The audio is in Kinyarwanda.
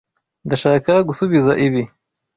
Ndashaka gusubiza ibi.